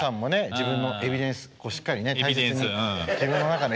自分のエビデンスしっかりね